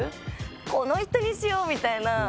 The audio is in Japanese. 「この人にしよう」みたいな。